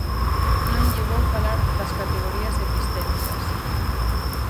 Non lle vou falar das categorías epistémicas.